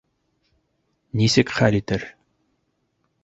Нисек хәл итер?